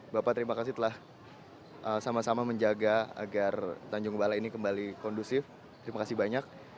bapak terima kasih telah sama sama menjaga agar tanjung balai ini kembali kondusif terima kasih banyak